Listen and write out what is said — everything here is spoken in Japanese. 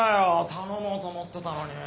頼もうと思ってたのに。